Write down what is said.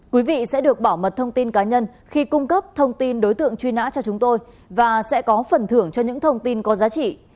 quý vị sẽ được bảo mật thông tin cá nhân khi cung cấp thông tin đối tượng truy nã cho chúng tôi và sẽ có phần thưởng cho những thông tin có giá trị